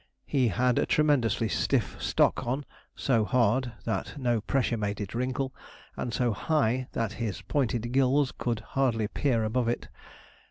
He had a tremendously stiff stock on so hard that no pressure made it wrinkle, and so high that his pointed gills could hardly peer above it.